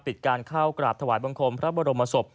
ปิดการเข้ากราบถวายบังคมพระบรมศพ